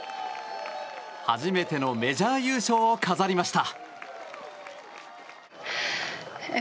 初めてのメジャー優勝を飾りました。